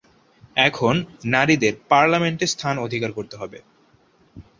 এখন নারীদের পার্লামেন্টে স্থান অধিকার করতে হবে।